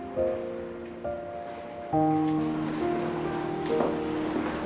dua hari kemudian